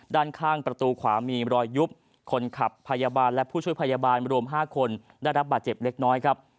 ด้านข้างประตูขวามีรอยยุบคนขับพยาบาลและผู้ช่วยพยาบาลรวม๕คนได้รับบาดเจ็บเล็กน้อยครับ